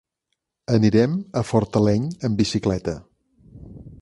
Anirem a Fortaleny amb bicicleta.